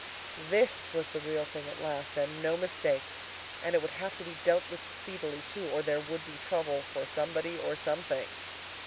This was the real thing at last, and no mistake; and it would have to be dealt with speedily, too, or there would be trouble for somebody or something.